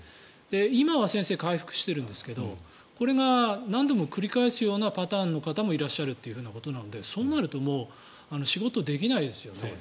今は先生回復しているんですけどこれが何度も繰り返すようなパターンの方もいらっしゃるということなのでそうなると仕事できないですよね。